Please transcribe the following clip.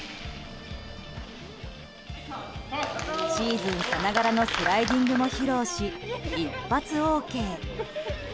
シーズンさながらのスライディングも披露し一発ＯＫ。